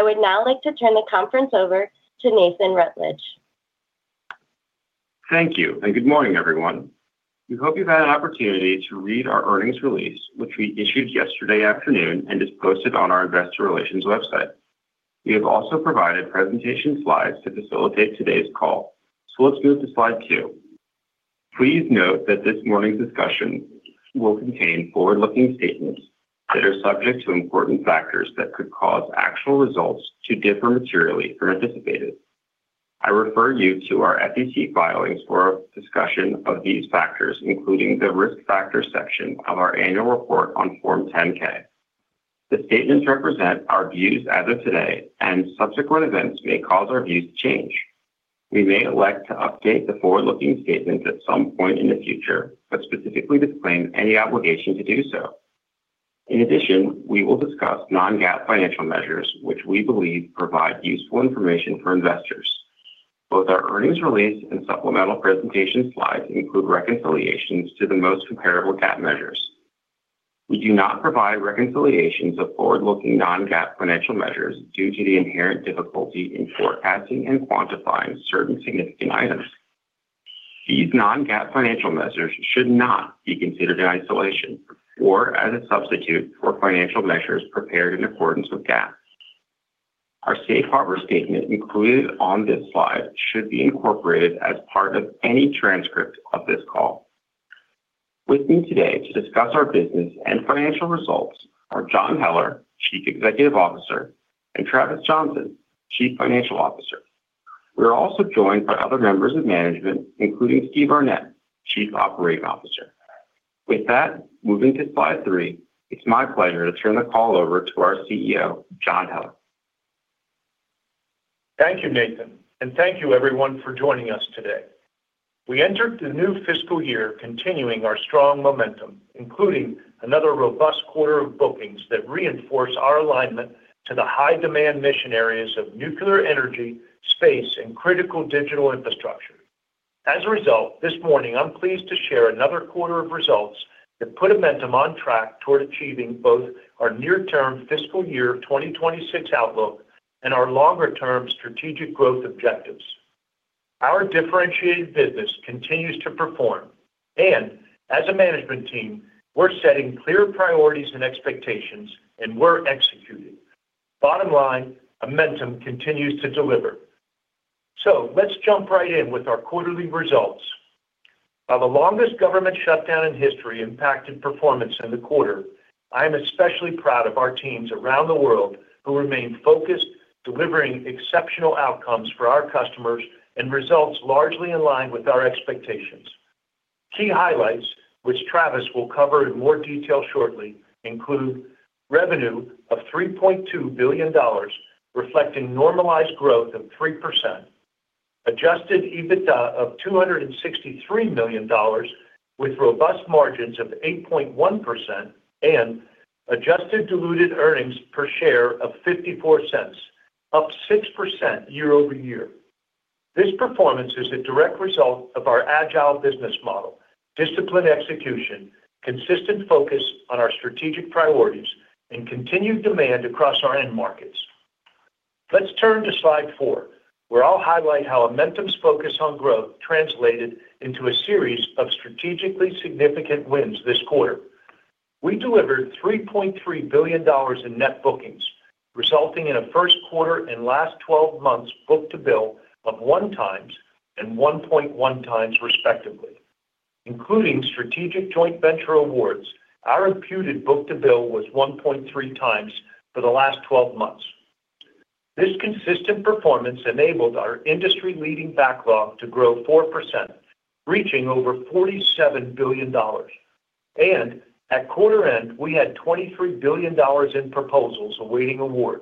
I would now like to turn the conference over to Nathan Rutledge. Thank you, and good morning, everyone. We hope you've had an opportunity to read our earnings release, which we issued yesterday afternoon and is posted on our investor relations website. We have also provided presentation slides to facilitate today's call, so let's move to slide two. Please note that this morning's discussion will contain forward-looking statements that are subject to important factors that could cause actual results to differ materially from anticipated. I refer you to our SEC filings for a discussion of these factors, including the risk factor section of our annual report on Form 10-K. The statements represent our views as of today, and subsequent events may cause our views to change. We may elect to update the forward-looking statements at some point in the future, but specifically disclaim any obligation to do so. In addition, we will discuss non-GAAP financial measures, which we believe provide useful information for investors. Both our earnings release and supplemental presentation slides include reconciliations to the most comparable GAAP measures. We do not provide reconciliations of forward-looking non-GAAP financial measures due to the inherent difficulty in forecasting and quantifying certain significant items. These non-GAAP financial measures should not be considered in isolation or as a substitute for financial measures prepared in accordance with GAAP. Our safe harbor statement included on this slide should be incorporated as part of any transcript of this call. With me today to discuss our business and financial results are John Heller, Chief Executive Officer, and Travis Johnson, Chief Financial Officer. We are also joined by other members of management, including Steve Arnette, Chief Operating Officer. With that, moving to slide three, it's my pleasure to turn the call over to our CEO, John Heller. Thank you, Nathan, and thank you, everyone, for joining us today. We entered the new fiscal year continuing our strong Amentum, including another robust quarter of bookings that reinforce our alignment to the high-demand mission areas of nuclear energy, space, and critical digital infrastructure. As a result, this morning I'm pleased to share another quarter of results that put Amentum on track toward achieving both our near-term fiscal year 2026 outlook and our longer-term strategic growth objectives. Our differentiated business continues to perform, and as a management team, we're setting clear priorities and expectations, and we're executing. Bottom line, Amentum continues to deliver. Let's jump right in with our quarterly results. While the longest government shutdown in history impacted performance in the quarter, I am especially proud of our teams around the world who remain focused, delivering exceptional outcomes for our customers and results largely in line with our expectations. Key highlights, which Travis will cover in more detail shortly, include revenue of $3.2 billion, reflecting normalized growth of 3%, adjusted EBITDA of $263 million, with robust margins of 8.1%, and adjusted diluted earnings per share of $0.54, up 6% year-over-year. This performance is a direct result of our agile business model, disciplined execution, consistent focus on our strategic priorities, and continued demand across our end markets. Let's turn to slide four, where I'll highlight how Amentum's focus on growth translated into a series of strategically significant wins this quarter. We delivered $3.3 billion in net bookings, resulting in a first quarter and last 12 months book-to-bill of 1x and 1.1x, respectively. Including strategic joint venture awards, our imputed book-to-bill was 1.3x for the last 12 months. This consistent performance enabled our industry-leading backlog to grow 4%, reaching over $47 billion. At quarter end, we had $23 billion in proposals awaiting award,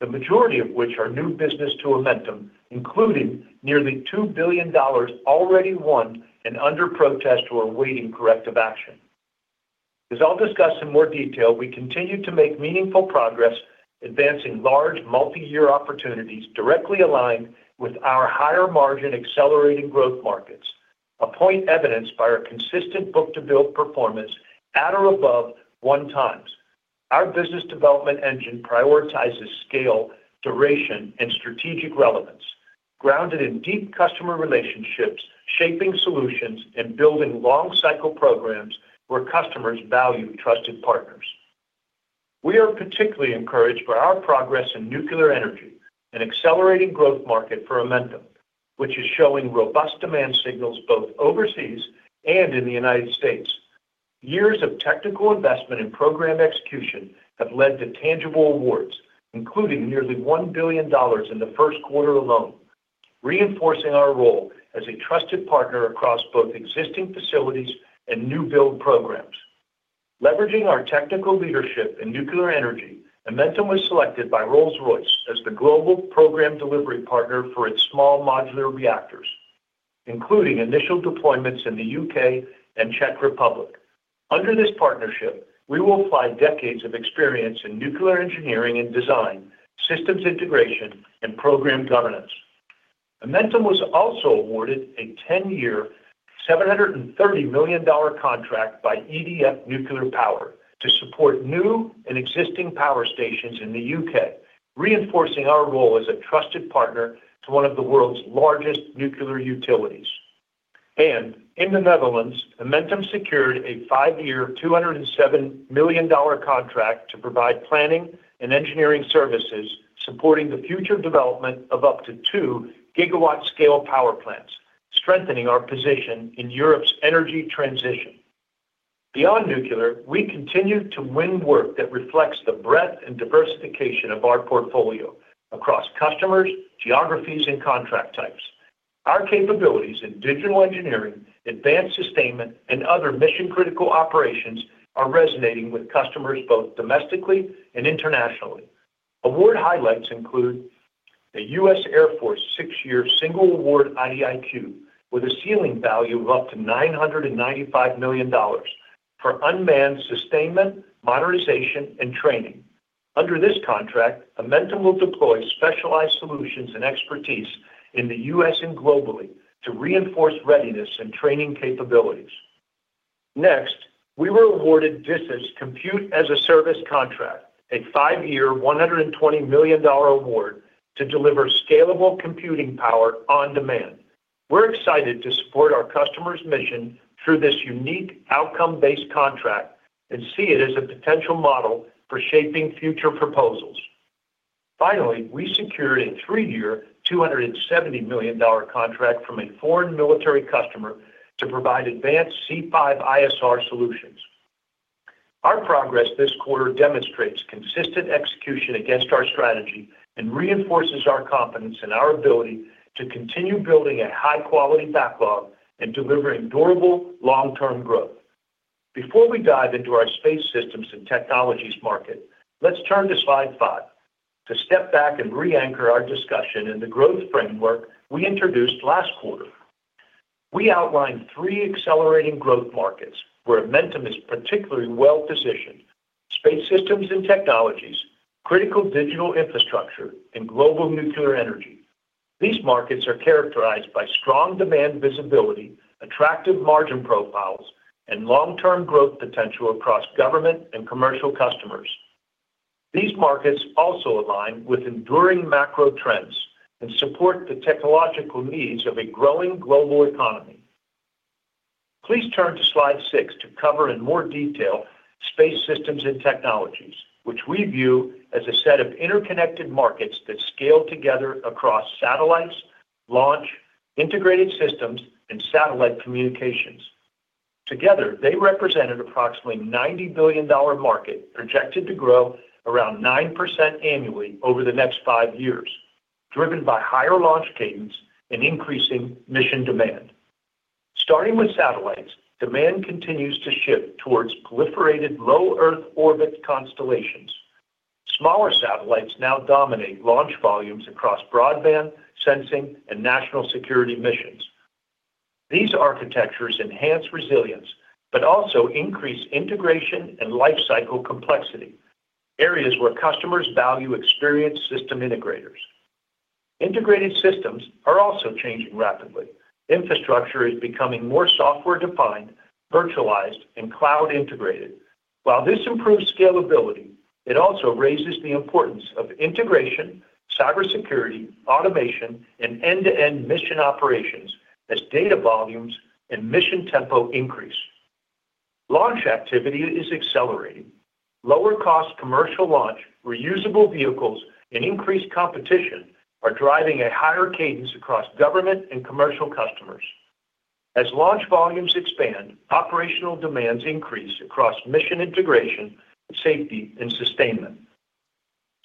the majority of which are new business to Amentum, including nearly $2 billion already won and under protest or awaiting corrective action. As I'll discuss in more detail, we continue to make meaningful progress advancing large multi-year opportunities directly aligned with our higher-margin accelerating growth markets, a point evidenced by our consistent book-to-bill performance at or above 1x. Our business development engine prioritizes scale, duration, and strategic relevance, grounded in deep customer relationships, shaping solutions, and building long-cycle programs where customers value trusted partners. We are particularly encouraged by our progress in nuclear energy, an accelerating growth market for Amentum, which is showing robust demand signals both overseas and in the United States. Years of technical investment in program execution have led to tangible awards, including nearly $1 billion in the first quarter alone, reinforcing our role as a trusted partner across both existing facilities and new build programs. Leveraging our technical leadership in nuclear energy, Amentum was selected by Rolls-Royce as the global program delivery partner for its small modular reactors, including initial deployments in the U.K. and Czech Republic. Under this partnership, we will apply decades of experience in nuclear engineering and design, systems integration, and program governance. Amentum was also awarded a 10-year, $730 million contract by EDF Energy to support new and existing power stations in the UK, reinforcing our role as a trusted partner to one of the world's largest nuclear utilities. In the Netherlands, Amentum secured a five-year, $207 million contract to provide planning and engineering services supporting the future development of up to 2 GW-scale power plants, strengthening our position in Europe's energy transition. Beyond nuclear, we continue to win work that reflects the breadth and diversification of our portfolio across customers, geographies, and contract types. Our capabilities in digital engineering, advanced sustainment, and other mission-critical operations are resonating with customers both domestically and internationally. Award highlights include the U.S. Air Force six-year single award IDIQ, with a ceiling value of up to $995 million for unmanned sustainment, modernization, and training. Under this contract, Amentum will deploy specialized solutions and expertise in the U.S. and globally to reinforce readiness and training capabilities. Next, we were awarded DISA's Compute as a Service contract, a five-year, $120 million award to deliver scalable computing power on demand. We're excited to support our customer's mission through this unique outcome-based contract and see it as a potential model for shaping future proposals. Finally, we secured a three-year, $270 million contract from a foreign military customer to provide advanced C5ISR solutions. Our progress this quarter demonstrates consistent execution against our strategy and reinforces our confidence in our ability to continue building a high-quality backlog and delivering durable, long-term growth. Before we dive into our space systems and technologies market, let's turn to slide five to step back and reanchor our discussion in the growth framework we introduced last quarter. We outlined three accelerating growth markets where Amentum is particularly well-positioned: space systems and technologies, critical digital infrastructure, and global nuclear energy. These markets are characterized by strong demand visibility, attractive margin profiles, and long-term growth potential across government and commercial customers. These markets also align with enduring macro trends and support the technological needs of a growing global economy. Please turn to slide six to cover in more detail space systems and technologies, which we view as a set of interconnected markets that scale together across satellites, launch, integrated systems, and satellite communications. Together, they represent an approximately $90 billion market projected to grow around 9% annually over the next five years, driven by higher launch cadence and increasing mission demand. Starting with satellites, demand continues to shift towards proliferated low Earth orbit constellations. Smaller satellites now dominate launch volumes across broadband, sensing, and national security missions. These architectures enhance resilience but also increase integration and lifecycle complexity, areas where customers value experienced system integrators. Integrated systems are also changing rapidly. Infrastructure is becoming more software-defined, virtualized, and cloud-integrated. While this improves scalability, it also raises the importance of integration, cybersecurity, automation, and end-to-end mission operations as data volumes and mission tempo increase. Launch activity is accelerating. Lower-cost commercial launch, reusable vehicles, and increased competition are driving a higher cadence across government and commercial customers. As launch volumes expand, operational demands increase across mission integration, safety, and sustainment.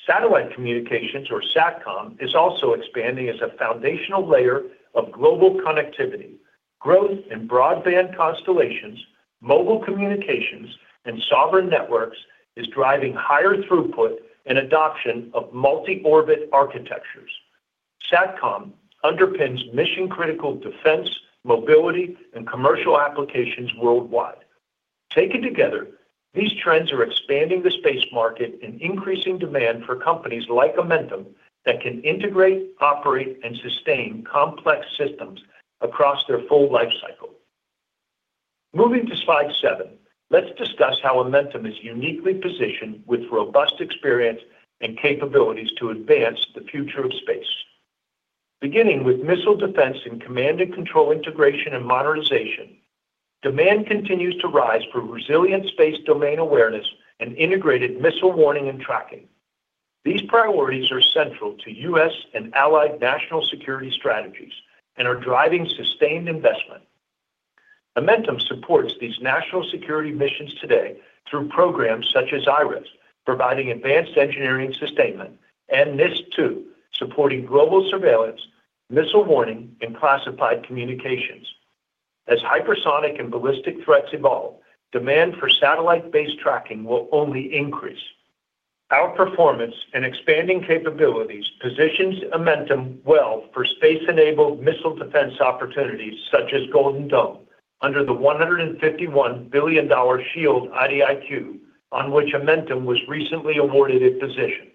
Satellite communications, or SATCOM, is also expanding as a foundational layer of global connectivity. Growth in broadband constellations, mobile communications, and sovereign networks is driving higher throughput and adoption of multi-orbit architectures. SATCOM underpins mission-critical defense, mobility, and commercial applications worldwide. Taken together, these trends are expanding the space market and increasing demand for companies like Amentum that can integrate, operate, and sustain complex systems across their full lifecycle. Moving to slide seven, let's discuss how Amentum is uniquely positioned with robust experience and capabilities to advance the future of space. Beginning with missile defense and command-and-control integration and modernization, demand continues to rise for resilient space domain awareness and integrated missile warning and tracking. These priorities are central to U.S. and allied national security strategies and are driving sustained investment. Amentum supports these national security missions today through programs such as IRES, providing advanced engineering sustainment, and NISSC II, supporting global surveillance, missile warning, and classified communications. As hypersonic and ballistic threats evolve, demand for satellite-based tracking will only increase. Our performance and expanding capabilities position Amentum well for space-enabled missile defense opportunities such as Golden Dome under the $151 billion Shield IDIQ on which Amentum was recently awarded its position.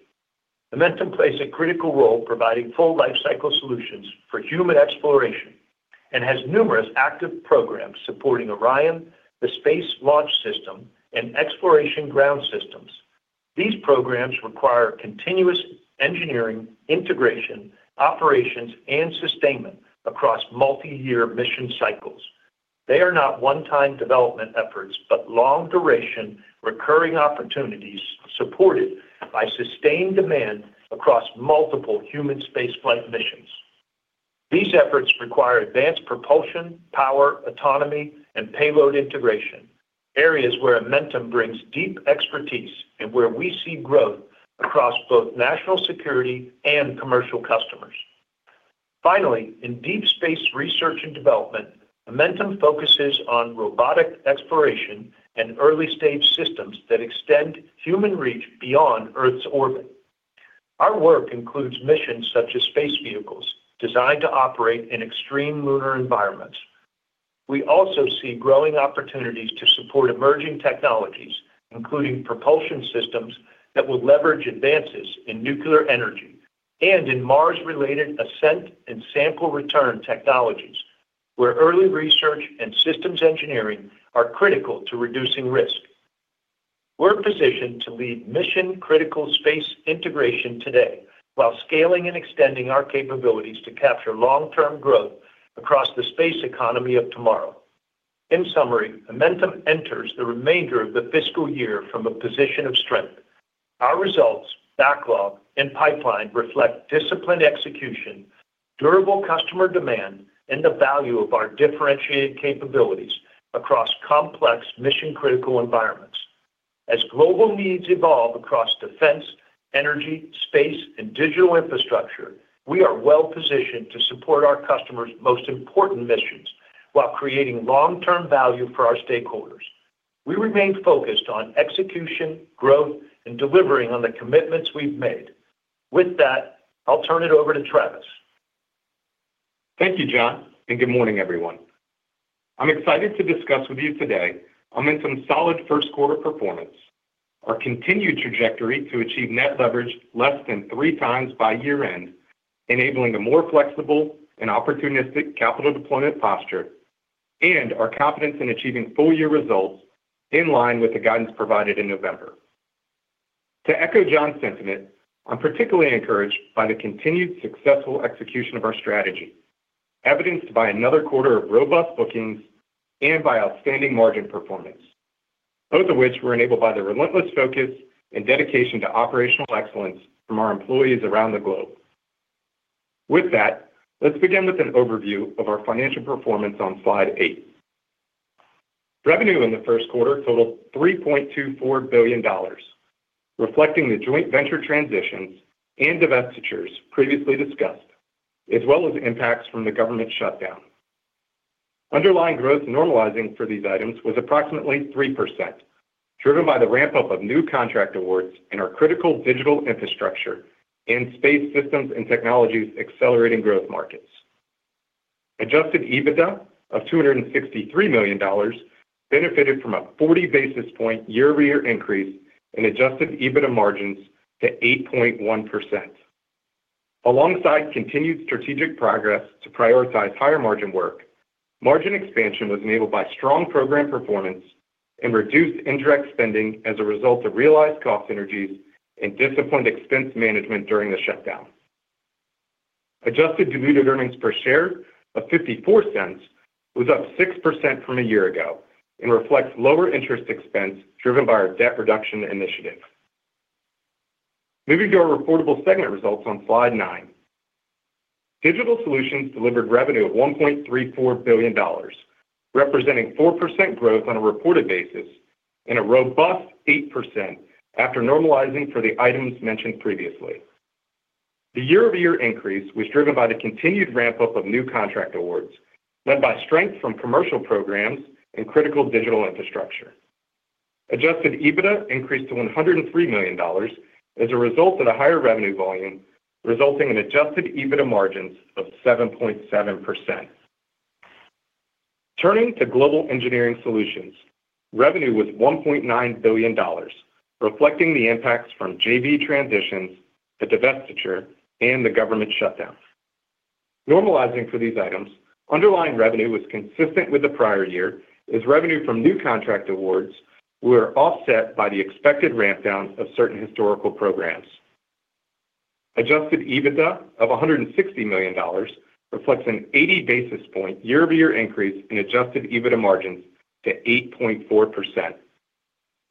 Amentum plays a critical role providing full lifecycle solutions for human exploration and has numerous active programs supporting Orion, the Space Launch System, and Exploration Ground Systems. These programs require continuous engineering, integration, operations, and sustainment across multi-year mission cycles. They are not one-time development efforts but long-duration, recurring opportunities supported by sustained demand across multiple human spaceflight missions. These efforts require advanced propulsion, power, autonomy, and payload integration, areas where Amentum brings deep expertise and where we see growth across both national security and commercial customers. Finally, in deep space research and development, Amentum focuses on robotic exploration and early-stage systems that extend human reach beyond Earth's orbit. Our work includes missions such as space vehicles designed to operate in extreme lunar environments. We also see growing opportunities to support emerging technologies, including propulsion systems that will leverage advances in nuclear energy and in Mars-related ascent and sample return technologies, where early research and systems engineering are critical to reducing risk. We're positioned to lead mission-critical space integration today while scaling and extending our capabilities to capture long-term growth across the space economy of tomorrow. In summary, Amentum enters the remainder of the fiscal year from a position of strength. Our results, backlog, and pipeline reflect disciplined execution, durable customer demand, and the value of our differentiated capabilities across complex mission-critical environments. As global needs evolve across defense, energy, space, and digital infrastructure, we are well-positioned to support our customers' most important missions while creating long-term value for our stakeholders. We remain focused on execution, growth, and delivering on the commitments we've made. With that, I'll turn it over to Travis. Thank you, John, and good morning, everyone. I'm excited to discuss with you today Amentum's solid first-quarter performance, our continued trajectory to achieve net leverage less than 3x by year-end, enabling a more flexible and opportunistic capital deployment posture, and our confidence in achieving full-year results in line with the guidance provided in November. To echo John's sentiment, I'm particularly encouraged by the continued successful execution of our strategy, evidenced by another quarter of robust bookings and by outstanding margin performance, both of which were enabled by the relentless focus and dedication to operational excellence from our employees around the globe. With that, let's begin with an overview of our financial performance on slide eight. Revenue in the first quarter totaled $3.24 billion, reflecting the joint venture transitions and divestitures previously discussed, as well as impacts from the government shutdown. Underlying growth normalizing for these items was approximately 3%, driven by the ramp-up of new contract awards in our critical digital infrastructure and space systems and technologies accelerating growth markets. Adjusted EBITDA of $263 million benefited from a 40 basis points year-over-year increase in adjusted EBITDA margins to 8.1%. Alongside continued strategic progress to prioritize higher margin work, margin expansion was enabled by strong program performance and reduced indirect spending as a result of realized cost synergies and disciplined expense management during the shutdown. Adjusted diluted earnings per share of $0.54 was up 6% from a year ago and reflects lower interest expense driven by our debt reduction initiative. Moving to our reportable segment results on slide nine, digital solutions delivered revenue of $1.34 billion, representing 4% growth on a reported basis and a robust 8% after normalizing for the items mentioned previously. The year-over-year increase was driven by the continued ramp-up of new contract awards led by strength from commercial programs and critical digital infrastructure. Adjusted EBITDA increased to $103 million as a result of the higher revenue volume, resulting in adjusted EBITDA margins of 7.7%. Turning to global engineering solutions, revenue was $1.9 billion, reflecting the impacts from JV transitions, the divestiture, and the government shutdown. Normalizing for these items, underlying revenue was consistent with the prior year as revenue from new contract awards were offset by the expected rampdowns of certain historical programs. Adjusted EBITDA of $160 million reflects an 80 basis point year-over-year increase in adjusted EBITDA margins to 8.4%.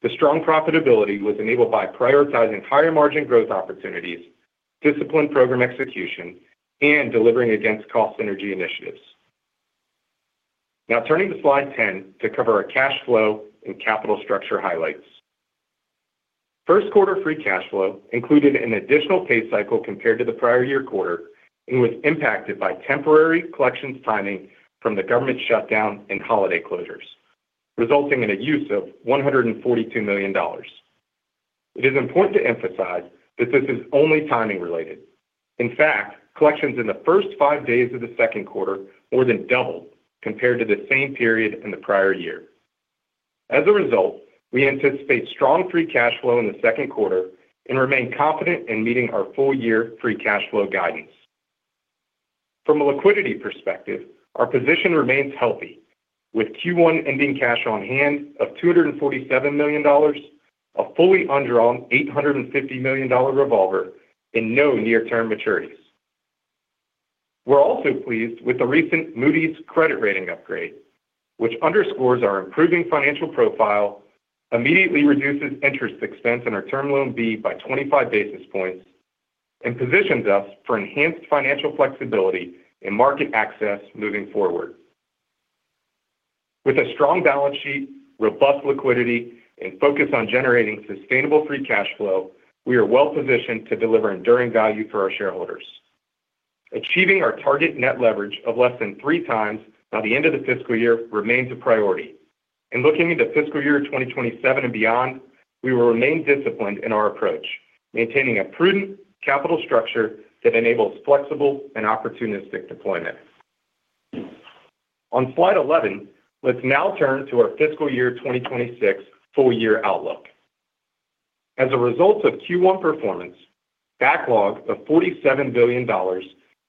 The strong profitability was enabled by prioritizing higher margin growth opportunities, disciplined program execution, and delivering against cost energy initiatives. Now, turning to slide 10 to cover our cash flow and capital structure highlights. First-quarter free cash flow included an additional pay cycle compared to the prior year quarter and was impacted by temporary collections timing from the government shutdown and holiday closures, resulting in a use of $142 million. It is important to emphasize that this is only timing-related. In fact, collections in the first five days of the second quarter more than doubled compared to the same period in the prior year. As a result, we anticipate strong free cash flow in the second quarter and remain confident in meeting our full-year free cash flow guidance. From a liquidity perspective, our position remains healthy, with Q1 ending cash on hand of $247 million, a fully undrawn $850 million revolver, and no near-term maturities. We're also pleased with the recent Moody's credit rating upgrade, which underscores our improving financial profile, immediately reduces interest expense in our Term Loan B by 25 basis points, and positions us for enhanced financial flexibility and market access moving forward. With a strong balance sheet, robust liquidity, and focus on generating sustainable free cash flow, we are well-positioned to deliver enduring value for our shareholders. Achieving our target net leverage of less than 3x by the end of the fiscal year remains a priority. In looking into fiscal year 2027 and beyond, we will remain disciplined in our approach, maintaining a prudent capital structure that enables flexible and opportunistic deployment. On slide 11, let's now turn to our fiscal year 2026 full-year outlook. As a result of Q1 performance, backlog of $47 billion,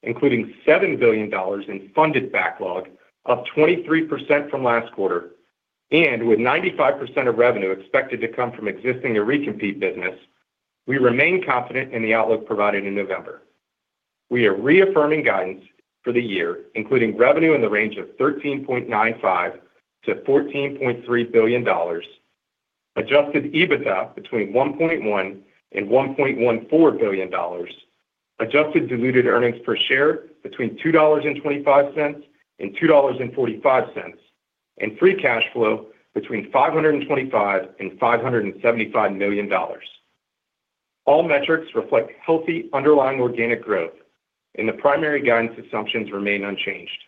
including $7 billion in funded backlog up 23% from last quarter, and with 95% of revenue expected to come from existing or recompete business, we remain confident in the outlook provided in November. We are reaffirming guidance for the year, including revenue in the range of $13.95-$14.3 billion, adjusted EBITDA between $1.1-$1.14 billion, adjusted diluted earnings per share between $2.25-$2.45, and free cash flow between $525-$575 million. All metrics reflect healthy underlying organic growth, and the primary guidance assumptions remain unchanged.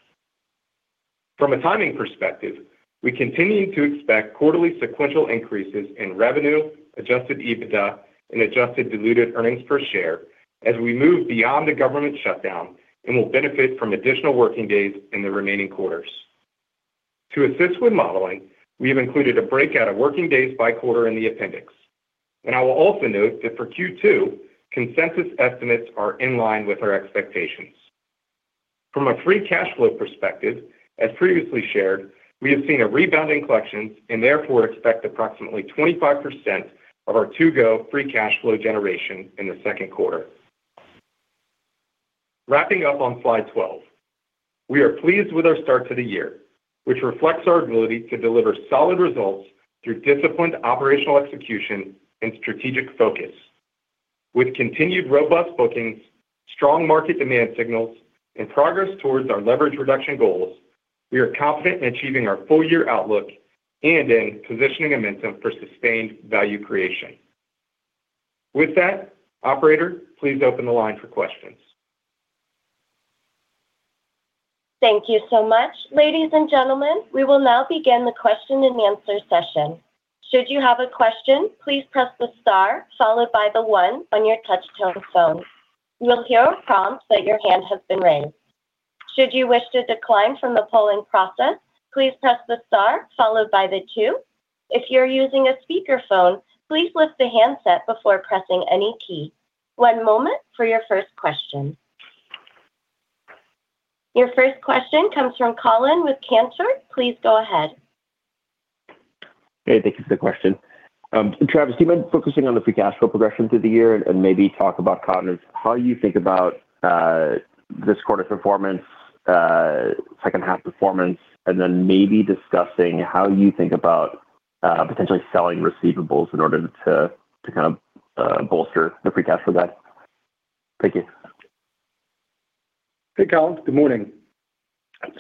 From a timing perspective, we continue to expect quarterly sequential increases in revenue, adjusted EBITDA, and adjusted diluted earnings per share as we move beyond the government shutdown and will benefit from additional working days in the remaining quarters. To assist with modeling, we have included a breakout of working days by quarter in the appendix. I will also note that for Q2, consensus estimates are in line with our expectations. From a free cash flow perspective, as previously shared, we have seen a rebound in collections and therefore expect approximately 25% of our to-go free cash flow generation in the second quarter. Wrapping up on slide 12, we are pleased with our start to the year, which reflects our ability to deliver solid results through disciplined operational execution and strategic focus. With continued robust bookings, strong market demand signals, and progress towards our leverage reduction goals, we are confident in achieving our full-year outlook and in positioning Amentum for sustained value creation. With that, operator, please open the line for questions. Thank you so much. Ladies and gentlemen, we will now begin the question-and-answer session. Should you have a question, please press the star followed by the one on your touch-tone phone. You will hear a prompt that your hand has been raised. Should you wish to decline from the polling process, please press the star followed by the two. If you're using a speakerphone, please lift the handset before pressing any key. One moment for your first question. Your first question comes from Colin with Cantor. Please go ahead. Great. Thank you for the question. Travis, do you mind focusing on the free cash flow progression through the year and maybe talk about how you think about this quarter's performance, second-half performance, and then maybe discussing how you think about potentially selling receivables in order to kind of bolster the free cash flow guide? Thank you. Hey, Colin. Good morning.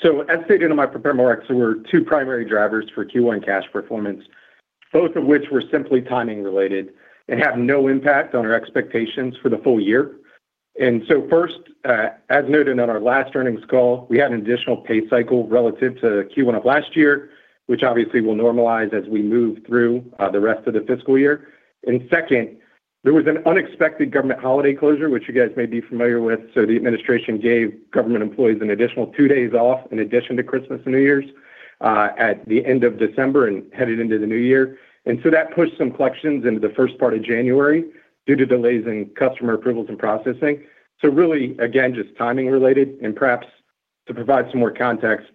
So as stated in my preparatory remarks, there were two primary drivers for Q1 cash performance, both of which were simply timing-related and have no impact on our expectations for the full year. And so first, as noted on our last earnings call, we had an additional pay cycle relative to Q1 of last year, which obviously will normalize as we move through the rest of the fiscal year. And second, there was an unexpected government holiday closure, which you guys may be familiar with. So the administration gave government employees an additional two days off in addition to Christmas and New Year's at the end of December and headed into the new year. And so that pushed some collections into the first part of January due to delays in customer approvals and processing. So really, again, just timing-related. Perhaps to provide some more context,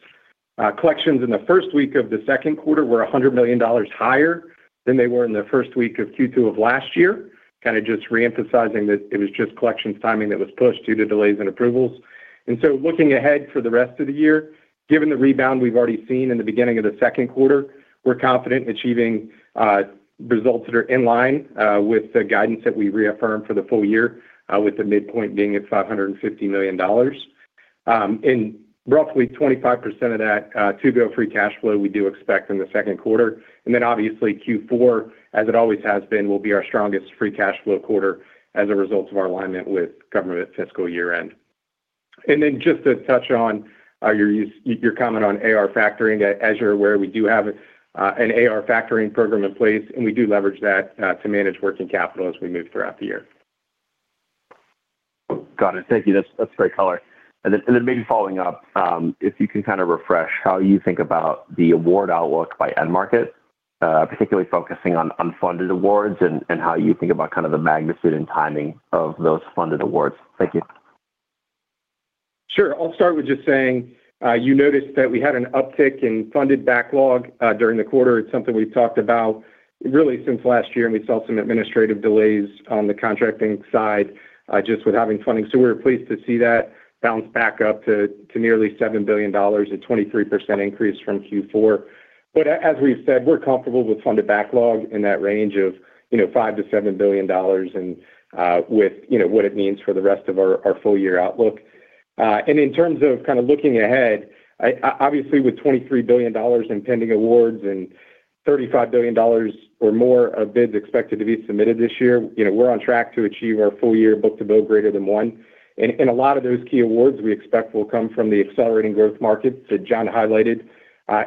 collections in the first week of the second quarter were $100 million higher than they were in the first week of Q2 of last year, kind of just reemphasizing that it was just collections timing that was pushed due to delays in approvals. So looking ahead for the rest of the year, given the rebound we've already seen in the beginning of the second quarter, we're confident achieving results that are in line with the guidance that we reaffirm for the full year, with the midpoint being at $550 million. Roughly 25% of that to-go free cash flow we do expect in the second quarter. Then obviously, Q4, as it always has been, will be our strongest free cash flow quarter as a result of our alignment with government fiscal year-end. And then just to touch on your comment on AR factoring, as you're aware, we do have an AR factoring program in place, and we do leverage that to manage working capital as we move throughout the year. Got it. Thank you. That's great color. And then maybe following up, if you can kind of refresh how you think about the award outlook by end market, particularly focusing on unfunded awards and how you think about kind of the magnitude and timing of those funded awards? Thank you. Sure. I'll start with just saying you noticed that we had an uptick in funded backlog during the quarter. It's something we've talked about really since last year, and we saw some administrative delays on the contracting side just with having funding. So we're pleased to see that bounce back up to nearly $7 billion, a 23% increase from Q4. But as we've said, we're comfortable with funded backlog in that range of $5 billion-$7 billion and with what it means for the rest of our full-year outlook. And in terms of kind of looking ahead, obviously, with $23 billion in pending awards and $35 billion or more of bids expected to be submitted this year, we're on track to achieve our full-year book-to-bill greater than one. A lot of those key awards we expect will come from the accelerating growth markets that John highlighted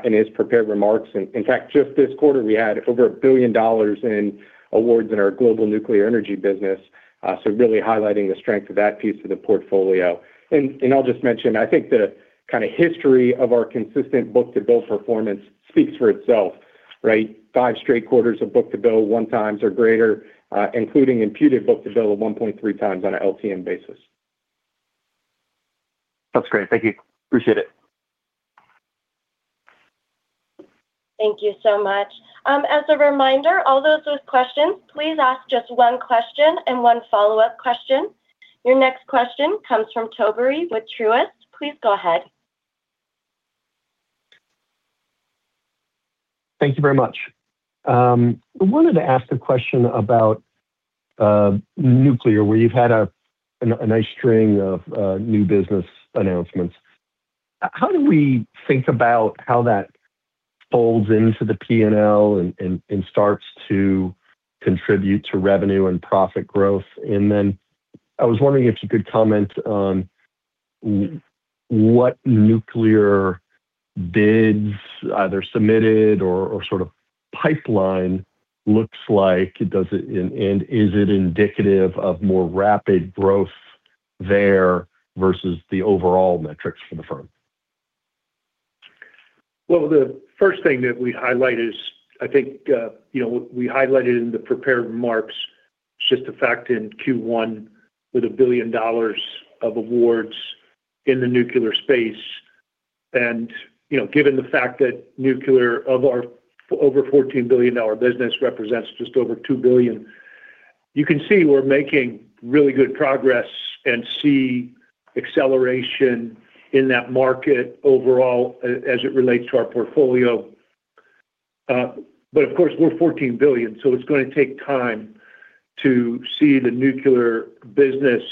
in his prepared remarks. In fact, just this quarter, we had over $1 billion in awards in our global nuclear energy business, so really highlighting the strength of that piece of the portfolio. I'll just mention, I think the kind of history of our consistent book-to-bill performance speaks for itself, right? Five straight quarters of book-to-bill 1x or greater, including imputed book-to-bill of 1.3x on an LTM basis. That's great. Thank you. Appreciate it. Thank you so much. As a reminder, all those with questions, please ask just one question and one follow-up question. Your next question comes from Tobey with Truist. Please go ahead. Thank you very much. I wanted to ask a question about nuclear, where you've had a nice string of new business announcements. How do we think about how that folds into the P&L and starts to contribute to revenue and profit growth? And then I was wondering if you could comment on what nuclear bids either submitted or sort of pipeline looks like, and is it indicative of more rapid growth there versus the overall metrics for the firm? Well, the first thing that we highlight is, I think we highlighted in the prepared remarks just the fact in Q1 with $1 billion of awards in the nuclear space. And given the fact that nuclear of our over $14 billion business represents just over $2 billion, you can see we're making really good progress and see acceleration in that market overall as it relates to our portfolio. But of course, we're $14 billion, so it's going to take time to see the nuclear business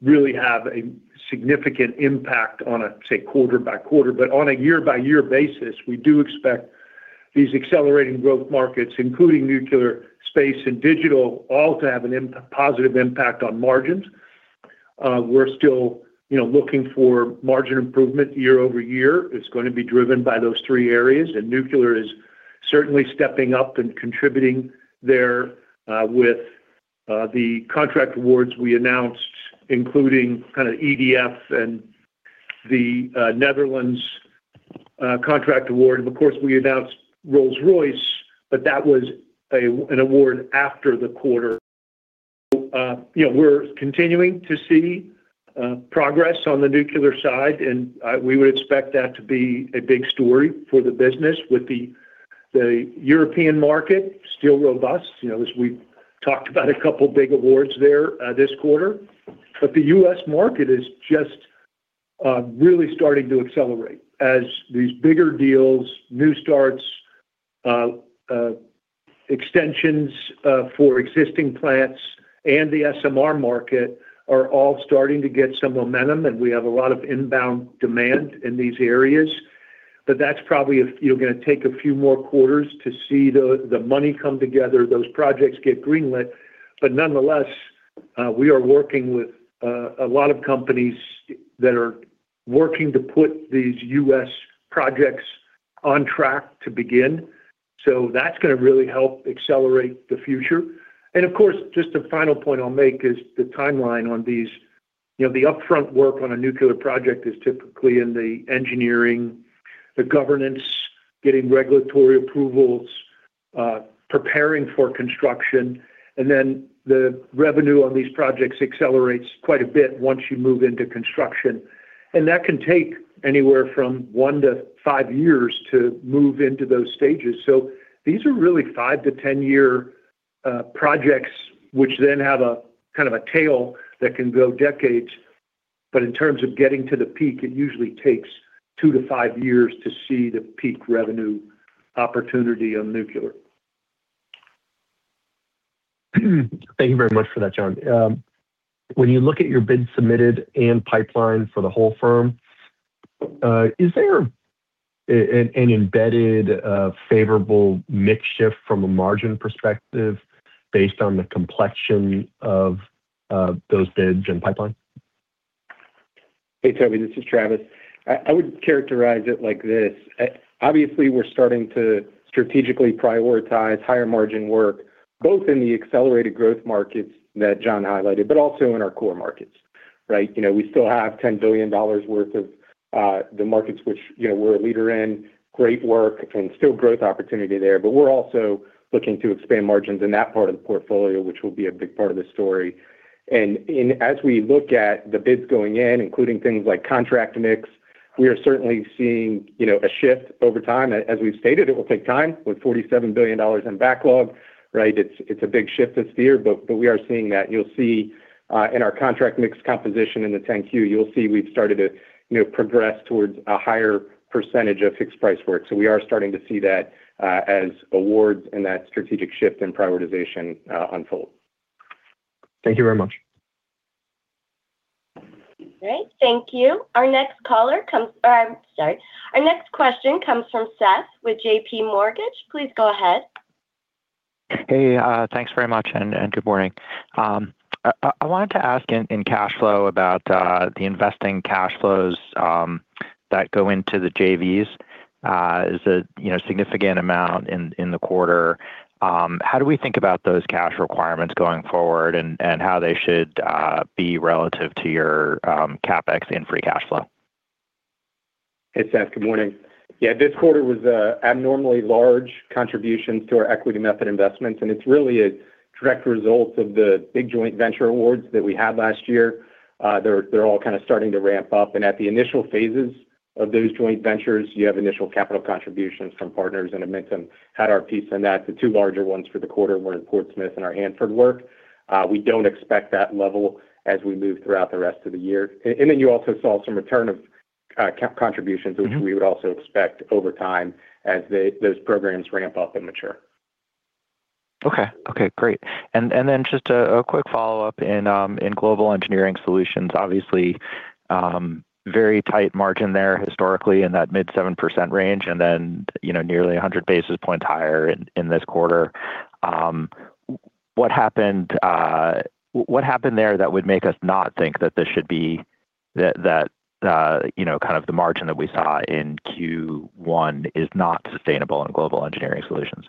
really have a significant impact on a, say, quarter by quarter. But on a year-by-year basis, we do expect these accelerating growth markets, including nuclear, space, and digital, all to have a positive impact on margins. We're still looking for margin improvement year-over-year. It's going to be driven by those three areas. Nuclear is certainly stepping up and contributing there with the contract awards we announced, including kind of EDF and the Netherlands contract award. Of course, we announced Rolls-Royce, but that was an award after the quarter. We're continuing to see progress on the nuclear side, and we would expect that to be a big story for the business with the European market, still robust as we've talked about a couple of big awards there this quarter. The U.S. market is just really starting to accelerate as these bigger deals, new starts, extensions for existing plants, and the SMR market are all starting to get some momentum, and we have a lot of inbound demand in these areas. That's probably going to take a few more quarters to see the money come together, those projects get greenlit. But nonetheless, we are working with a lot of companies that are working to put these U.S. projects on track to begin. So that's going to really help accelerate the future. And of course, just a final point I'll make is the timeline on these, the upfront work on a nuclear project is typically in the engineering, the governance, getting regulatory approvals, preparing for construction. And then the revenue on these projects accelerates quite a bit once you move into construction. And that can take anywhere from one to five years to move into those stages. So these are really five to 10-year projects, which then have kind of a tail that can go decades. But in terms of getting to the peak, it usually takes two to five years to see the peak revenue opportunity on nuclear. Thank you very much for that, John. When you look at your bids submitted and pipeline for the whole firm, is there an embedded favorable mix shift from a margin perspective based on the complexion of those bids and pipeline? Hey, Toby. This is Travis. I would characterize it like this. Obviously, we're starting to strategically prioritize higher-margin work both in the accelerated growth markets that John highlighted, but also in our core markets, right? We still have $10 billion worth of the markets which we're a leader in, great work, and still growth opportunity there. But we're also looking to expand margins in that part of the portfolio, which will be a big part of the story. And as we look at the bids going in, including things like contract mix, we are certainly seeing a shift over time. As we've stated, it will take time with $47 billion in backlog, right? It's a big shift this year, but we are seeing that. You'll see in our contract mix composition in the 10-Q, you'll see we've started to progress towards a higher percentage of fixed-price work. We are starting to see that as awards and that strategic shift and prioritization unfold. Thank you very much. Great. Thank you. Our next caller comes or I'm sorry. Our next question comes from Seth with JPMorgan. Please go ahead. Hey. Thanks very much and good morning. I wanted to ask in cash flow about the investing cash flows that go into the JVs. It's a significant amount in the quarter. How do we think about those cash requirements going forward and how they should be relative to your CapEx in free cash flow? Hey, Seth. Good morning. Yeah, this quarter was abnormally large contributions to our equity method investments, and it's really a direct result of the big joint venture awards that we had last year. They're all kind of starting to ramp up. And at the initial phases of those joint ventures, you have initial capital contributions from partners, and Amentum had our piece in that. The two larger ones for the quarter were in Portsmouth and our Hanford work. We don't expect that level as we move throughout the rest of the year. And then you also saw some return of contributions, which we would also expect over time as those programs ramp up and mature. Okay. Okay. Great. And then just a quick follow-up in Global Engineering Solutions, obviously, very tight margin there historically in that mid-7% range and then nearly 100 basis points higher in this quarter. What happened there that would make us not think that this should be that kind of the margin that we saw in Q1 is not sustainable in Global Engineering Solutions?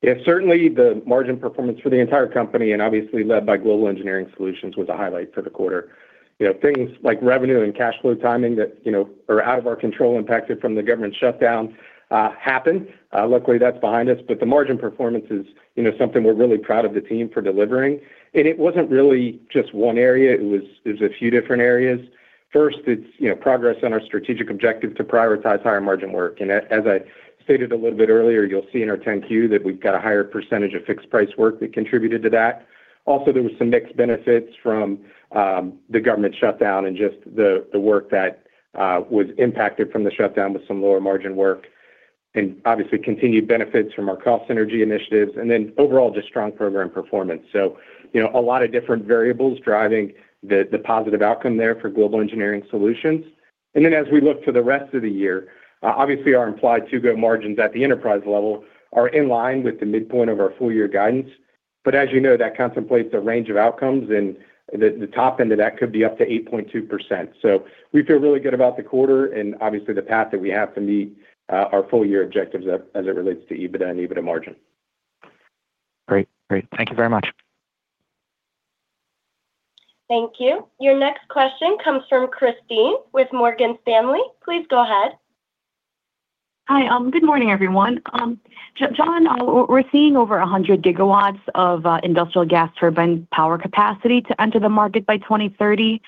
Yeah. Certainly, the margin performance for the entire company and obviously led by Global Engineering Solutions was a highlight for the quarter. Things like revenue and cash flow timing that are out of our control impacted from the government shutdown happen. Luckily, that's behind us. But the margin performance is something we're really proud of the team for delivering. And it wasn't really just one area. It was a few different areas. First, it's progress on our strategic objective to prioritize higher-margin work. And as I stated a little bit earlier, you'll see in our 10-Q that we've got a higher percentage of fixed-price work that contributed to that. Also, there were some mixed benefits from the government shutdown and just the work that was impacted from the shutdown with some lower-margin work and obviously continued benefits from our cost synergy initiatives. And then overall, just strong program performance. So a lot of different variables driving the positive outcome there for Global Engineering Solutions. And then as we look to the rest of the year, obviously, our implied to-go margins at the enterprise level are in line with the midpoint of our full-year guidance. But as you know, that contemplates a range of outcomes, and the top end of that could be up to 8.2%. So we feel really good about the quarter and obviously the path that we have to meet our full-year objectives as it relates to EBITDA and EBITDA margin. Great. Great. Thank you very much. Thank you. Your next question comes from Kristine with Morgan Stanley. Please go ahead. Hi. Good morning, everyone. John, we're seeing over 100 GW of industrial gas turbine power capacity to enter the market by 2030.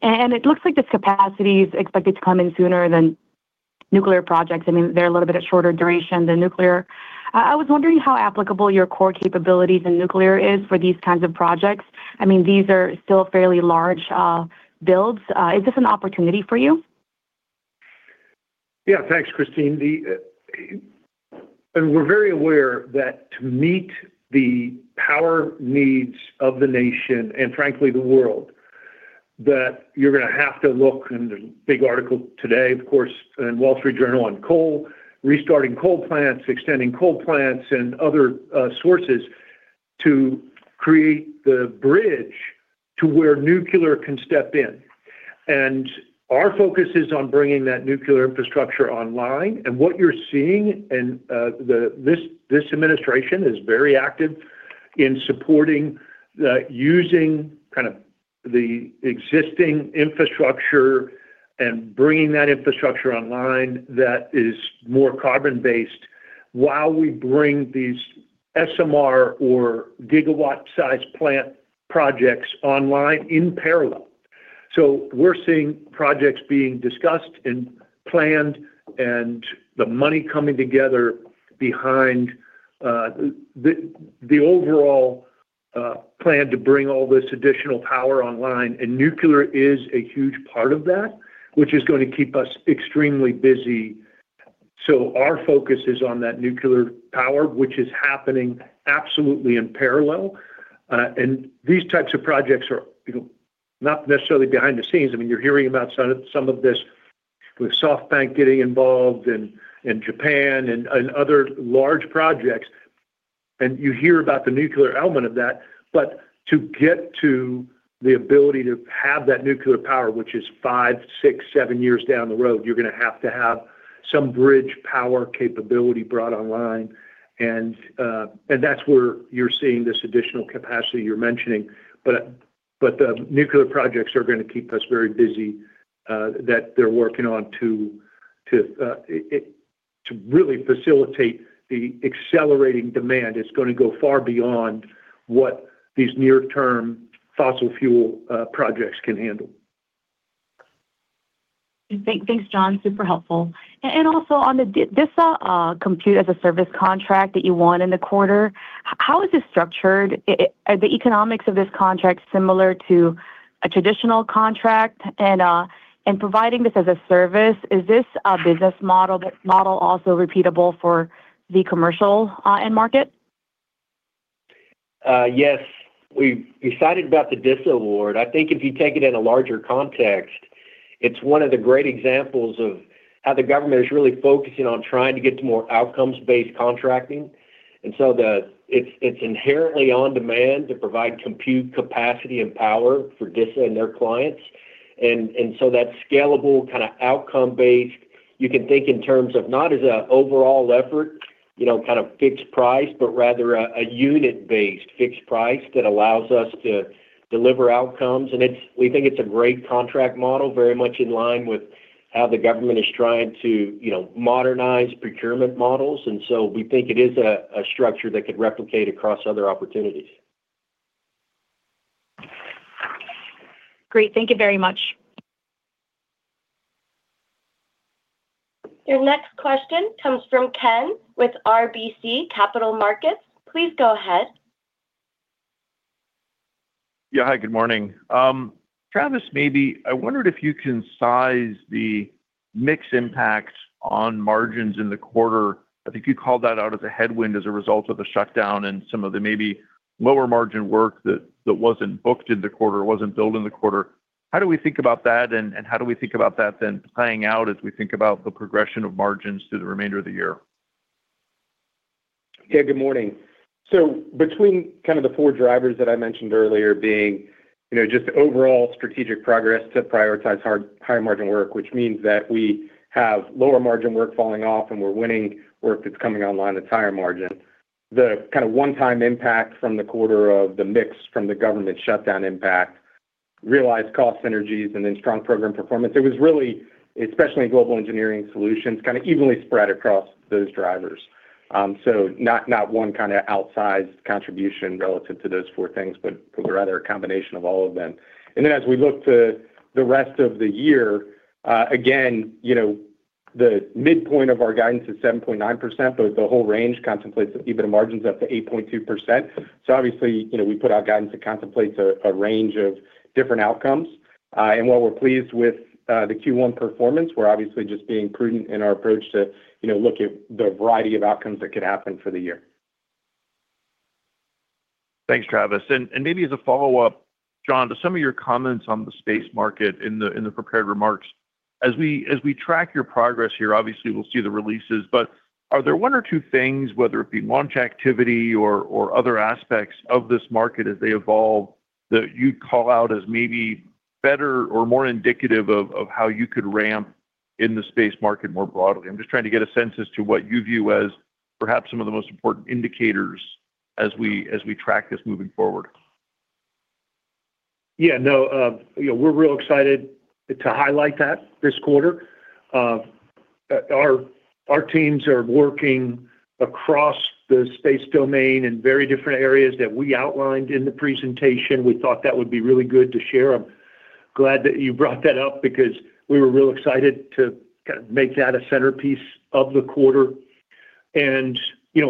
It looks like this capacity is expected to come in sooner than nuclear projects. I mean, they're a little bit of shorter duration than nuclear. I was wondering how applicable your core capabilities in nuclear are for these kinds of projects. I mean, these are still fairly large builds. Is this an opportunity for you? Yeah. Thanks, Kristine. And we're very aware that to meet the power needs of the nation and frankly, the world, that you're going to have to look in the big article today, of course, in Wall Street Journal on coal, restarting coal plants, extending coal plants, and other sources to create the bridge to where nuclear can step in. And our focus is on bringing that nuclear infrastructure online. And what you're seeing in this administration is very active in supporting using kind of the existing infrastructure and bringing that infrastructure online that is more carbon-based while we bring these SMR or gigawatt-sized plant projects online in parallel. So we're seeing projects being discussed and planned and the money coming together behind the overall plan to bring all this additional power online. And nuclear is a huge part of that, which is going to keep us extremely busy. So our focus is on that nuclear power, which is happening absolutely in parallel. And these types of projects are not necessarily behind the scenes. I mean, you're hearing about some of this with SoftBank getting involved in Japan and other large projects. And you hear about the nuclear element of that. But to get to the ability to have that nuclear power, which is five, six, seven years down the road, you're going to have to have some bridge power capability brought online. And that's where you're seeing this additional capacity you're mentioning. But the nuclear projects are going to keep us very busy that they're working on to really facilitate the accelerating demand. It's going to go far beyond what these near-term fossil fuel projects can handle. Thanks, John. Super helpful. And also on the DISA compute-as-a-service contract that you won in the quarter, how is it structured? Are the economics of this contract similar to a traditional contract? And providing this as a service, is this business model also repeatable for the commercial end market? Yes. We're excited about the DISA award. I think if you take it in a larger context, it's one of the great examples of how the government is really focusing on trying to get to more outcomes-based contracting. And so it's inherently on demand to provide compute capacity and power for DISA and their clients. And so that scalable kind of outcome-based, you can think in terms of not as an overall effort, kind of fixed price, but rather a unit-based fixed price that allows us to deliver outcomes. And we think it's a great contract model, very much in line with how the government is trying to modernize procurement models. And so we think it is a structure that could replicate across other opportunities. Great. Thank you very much. Your next question comes from Ken with RBC Capital Markets. Please go ahead. Yeah. Hi. Good morning. Travis, maybe I wondered if you can size the mixed impact on margins in the quarter. I think you called that out as a headwind as a result of the shutdown and some of the maybe lower-margin work that wasn't booked in the quarter, wasn't billed in the quarter. How do we think about that, and how do we think about that then playing out as we think about the progression of margins through the remainder of the year? Yeah. Good morning. So between kind of the four drivers that I mentioned earlier being just overall strategic progress to prioritize higher-margin work, which means that we have lower-margin work falling off and we're winning work that's coming online at higher margin, the kind of one-time impact from the quarter of the mix from the government shutdown impact, realized cost synergies, and then strong program performance, it was really, especially in Global Engineering Solutions, kind of evenly spread across those drivers. So not one kind of outsized contribution relative to those four things, but rather a combination of all of them. And then as we look to the rest of the year, again, the midpoint of our guidance is 7.9%, but the whole range contemplates EBITDA margins up to 8.2%. So obviously, we put out guidance that contemplates a range of different outcomes. While we're pleased with the Q1 performance, we're obviously just being prudent in our approach to look at the variety of outcomes that could happen for the year. Thanks, Travis. And maybe as a follow-up, John, to some of your comments on the space market in the prepared remarks, as we track your progress here, obviously, we'll see the releases. But are there one or two things, whether it be launch activity or other aspects of this market as they evolve, that you'd call out as maybe better or more indicative of how you could ramp in the space market more broadly? I'm just trying to get a sense as to what you view as perhaps some of the most important indicators as we track this moving forward. Yeah. No. We're real excited to highlight that this quarter. Our teams are working across the space domain in very different areas that we outlined in the presentation. We thought that would be really good to share. I'm glad that you brought that up because we were real excited to kind of make that a centerpiece of the quarter.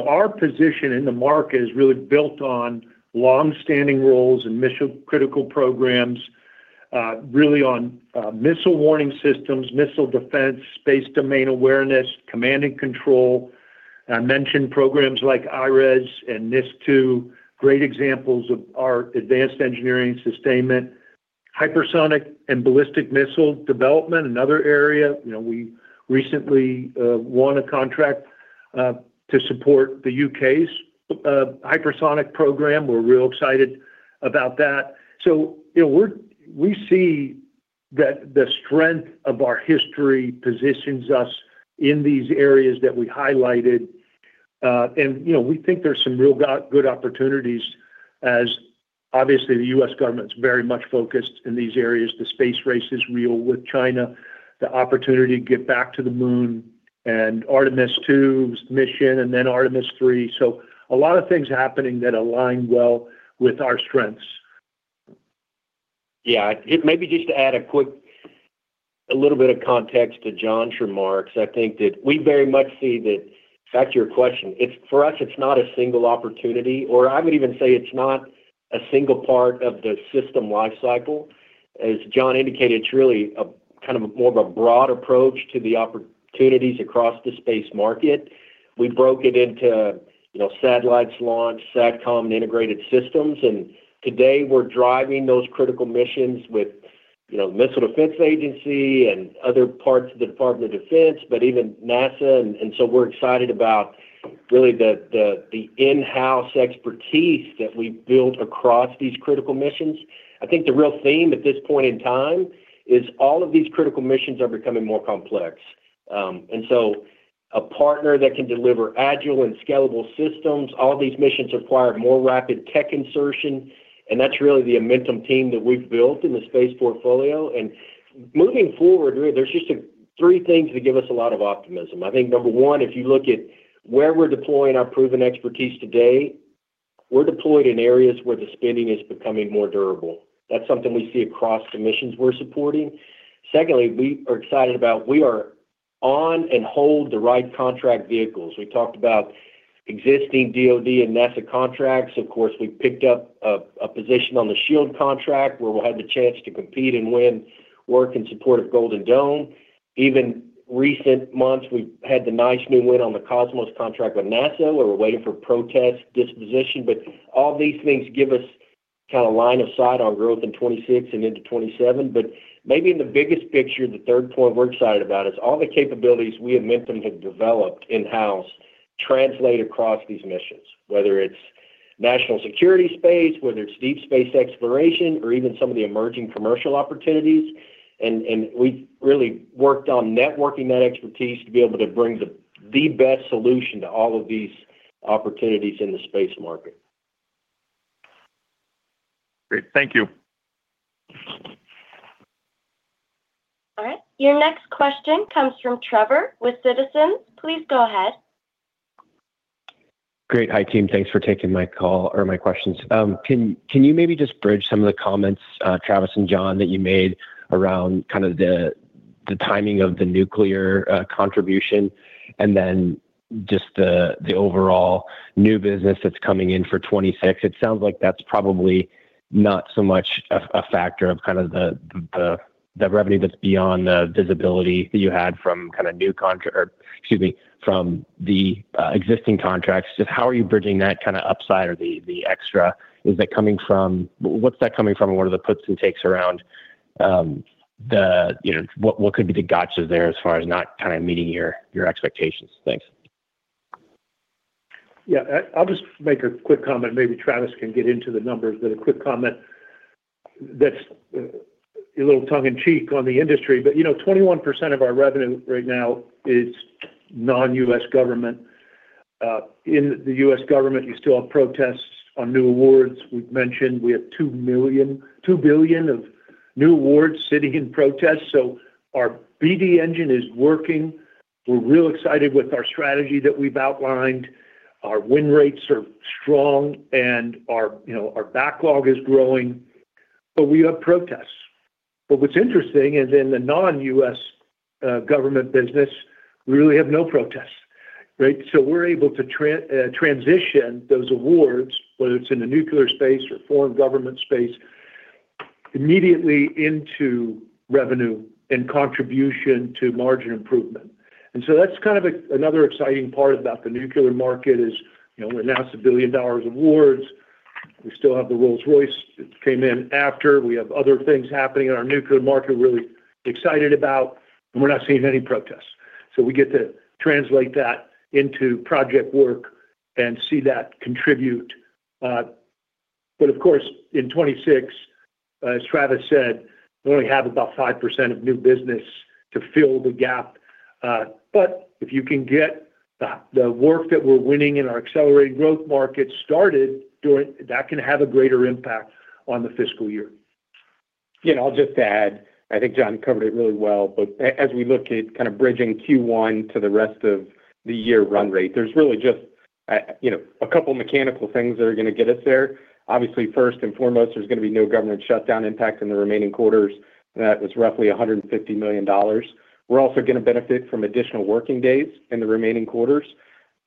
Our position in the market is really built on long-standing roles and mission-critical programs, really on missile warning systems, missile defense, space domain awareness, command and control. I mentioned programs like IRES and NISSC II, great examples of our advanced engineering sustainment, hypersonic and ballistic missile development, another area. We recently won a contract to support the U.K.'s hypersonic program. We're real excited about that. So we see that the strength of our history positions us in these areas that we highlighted. And we think there's some real good opportunities as obviously, the U.S. government's very much focused in these areas. The space race is real with China, the opportunity to get back to the moon, and Artemis II's mission, and then Artemis III. So a lot of things happening that align well with our strengths. Yeah. Maybe just to add a little bit of context to John's remarks, I think that we very much see that back to your question, for us, it's not a single opportunity, or I would even say it's not a single part of the system lifecycle. As John indicated, it's really kind of more of a broad approach to the opportunities across the space market. We broke it into satellites launch, SATCOM, and integrated systems. And today, we're driving those critical missions with the Missile Defense Agency and other parts of the Department of Defense, but even NASA. And so we're excited about really the in-house expertise that we've built across these critical missions. I think the real theme at this point in time is all of these critical missions are becoming more complex. And so a partner that can deliver agile and scalable systems. All these missions require more rapid tech insertion. And that's really the Amentum team that we've built in the space portfolio. And moving forward, really, there's just three things that give us a lot of optimism. I think, number one, if you look at where we're deploying our proven expertise today, we're deployed in areas where the spending is becoming more durable. That's something we see across the missions we're supporting. Secondly, we are excited about we are on and hold the right contract vehicles. We talked about existing DoD and NASA contracts. Of course, we picked up a position on the SHIELD contract where we'll have the chance to compete and win work in support of Golden Dome. Even recent months, we've had the nice new win on the COSMOS contract with NASA where we're waiting for protest disposition. All these things give us kind of line of sight on growth in 2026 and into 2027. Maybe in the biggest picture, the third point we're excited about is all the capabilities we at Amentum have developed in-house translate across these missions, whether it's national security space, whether it's deep space exploration, or even some of the emerging commercial opportunities. We've really worked on networking that expertise to be able to bring the best solution to all of these opportunities in the space market. Great. Thank you. All right. Your next question comes from Trevor with Citizens. Please go ahead. Great. Hi, team. Thanks for taking my call or my questions. Can you maybe just bridge some of the comments, Travis and John, that you made around kind of the timing of the nuclear contribution and then just the overall new business that's coming in for 2026? It sounds like that's probably not so much a factor of kind of the revenue that's beyond the visibility that you had from kind of new or excuse me, from the existing contracts. Just how are you bridging that kind of upside or the extra? Is that coming from what's that coming from, and what are the puts and takes around the what could be the gotchas there as far as not kind of meeting your expectations? Thanks. Yeah. I'll just make a quick comment. Maybe Travis can get into the numbers, but a quick comment that's a little tongue-in-cheek on the industry. But 21% of our revenue right now is non-U.S. government. In the U.S. government, you still have protests on new awards. We've mentioned we have $2 billion of new awards sitting in protest. So our BD engine is working. We're real excited with our strategy that we've outlined. Our win rates are strong, and our backlog is growing. But we have protests. But what's interesting is in the non-U.S. government business, we really have no protests, right? So we're able to transition those awards, whether it's in the nuclear space or foreign government space, immediately into revenue and contribution to margin improvement. And so that's kind of another exciting part about the nuclear market; we announced $1 billion of awards. We still have the Rolls-Royce that came in after. We have other things happening in our nuclear market we're really excited about, and we're not seeing any protests. So we get to translate that into project work and see that contribute. But of course, in 2026, as Travis said, we only have about 5% of new business to fill the gap. But if you can get the work that we're winning in our accelerating growth markets started, that can have a greater impact on the fiscal year. Yeah. And I'll just add, I think John covered it really well, but as we look at kind of bridging Q1 to the rest of the year run rate, there's really just a couple of mechanical things that are going to get us there. Obviously, first and foremost, there's going to be no government shutdown impact in the remaining quarters. That was roughly $150 million. We're also going to benefit from additional working days in the remaining quarters.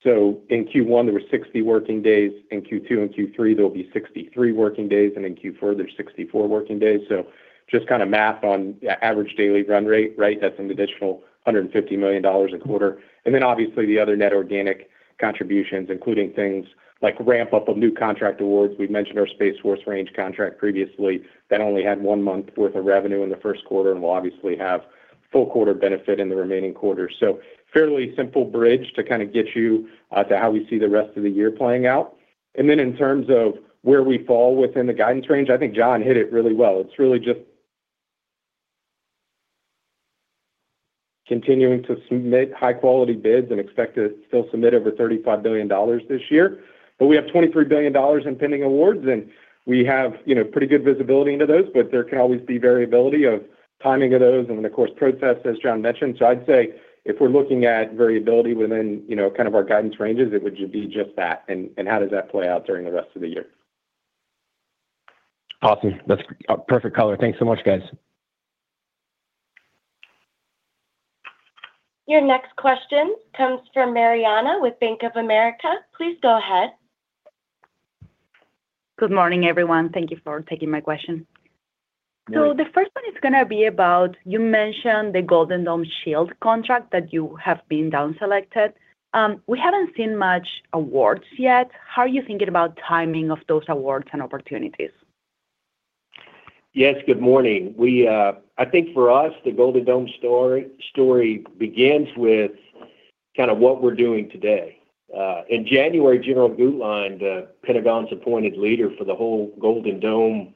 So in Q1, there were 60 working days. In Q2 and Q3, there will be 63 working days. And in Q4, there's 64 working days. So just kind of math on average daily run rate, right, that's an additional $150 million a quarter. And then obviously, the other net organic contributions, including things like ramp-up of new contract awards. We've mentioned our Space Force Range contract previously that only had one month's worth of revenue in the first quarter and will obviously have full-quarter benefit in the remaining quarters. So fairly simple bridge to kind of get you to how we see the rest of the year playing out. Then in terms of where we fall within the guidance range, I think John hit it really well. It's really just continuing to submit high-quality bids and expect to still submit over $35 billion this year. But we have $23 billion in pending awards, and we have pretty good visibility into those. But there can always be variability of timing of those and then, of course, protests, as John mentioned. So I'd say if we're looking at variability within kind of our guidance ranges, it would be just that. How does that play out during the rest of the year? Awesome. That's perfect color. Thanks so much, guys. Your next question comes from Mariana with Bank of America. Please go ahead. Good morning, everyone. Thank you for taking my question. So the first one is going to be about you mentioned the Golden Dome SHIELD contract that you have been downselected. We haven't seen much awards yet. How are you thinking about timing of those awards and opportunities? Yes. Good morning. I think for us, the Golden Dome story begins with kind of what we're doing today. In January, General Guetlein, the Pentagon's appointed leader for the whole Golden Dome